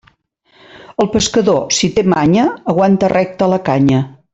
El pescador, si té manya, aguanta recta la canya.